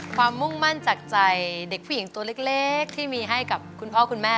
มุ่งมั่นจากใจเด็กผู้หญิงตัวเล็กที่มีให้กับคุณพ่อคุณแม่